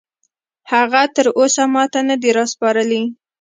هغه تراوسه ماته نه دي راسپارلي.